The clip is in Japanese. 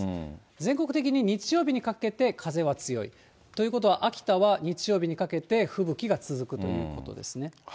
全国的に日曜日にかけて、風は強い、ということは、秋田は日曜日にかけて吹雪が続くということですね。